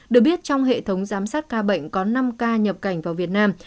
được biết trong hệ thống giám sát ca bệnh có năm ca nhập cảnh vào việt nam